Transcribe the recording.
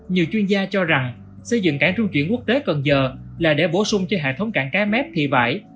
nhiều chuyên gia cho rằng xây dựng cảng trung chuyển quốc tế cần giờ là để bổ sung cho hệ thống cảng cái mép thị vải